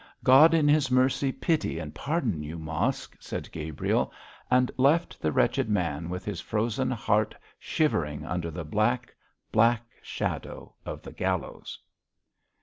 'God, in His mercy, pity and pardon you, Mosk,' said Gabriel, and left the wretched man with his frozen heart shivering under the black, black shadow of the gallows.